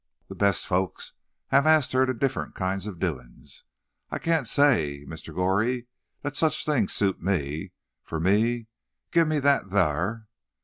The best folks hev axed her to differ'nt kinds of doin's. I cyan't say, Mr. Goree, that sech things suits me—fur me, give me them thar."